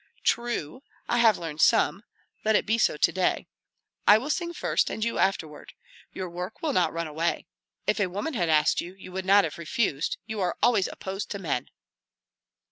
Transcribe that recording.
"True, I have learned some. Let it be so to day; I will sing first, and you afterward. Your work will not run away. If a woman had asked, you would not have refused; you are always opposed to men."